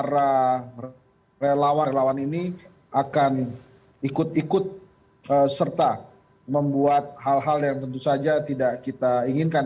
jadi saya rasa ini akan ikut ikut serta membuat hal hal yang tentu saja tidak kita inginkan